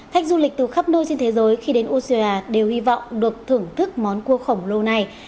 khách du lịch từ khắp nơi trên thế giới khi đến australia đều hy vọng được thưởng thức món cua khổng lâu nay